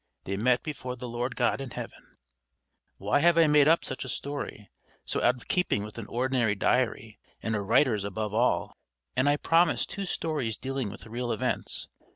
They met before the Lord God in heaven. Why have I made up such a story, so out of keeping with an ordinary diary, and a writer's above all? And I promised two stories dealing with real events!